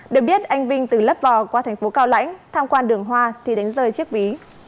được biết anh vinh từ lớp vò qua thành phố cao lãnh tham quan đường hoa thì đánh rơi chiếc ví